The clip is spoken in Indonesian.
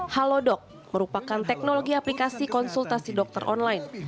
halodoc merupakan teknologi aplikasi konsultasi dokter online